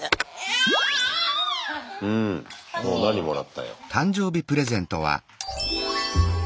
おっ何もらったよ。